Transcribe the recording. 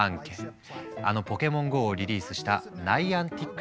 あの「ポケモンＧＯ」をリリースしたナイアンティック社のＣＥＯだ。